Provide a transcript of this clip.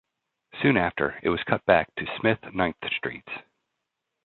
Soon after, it was cut back to Smith-Ninth Streets.